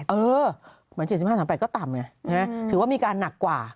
เหมือน๗๕๓๘ก็ต่ำไงถือว่ามีการหนักกว่า